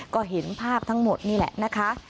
ก็เห็นภาพทั้งหมดนี่แหละนะคะ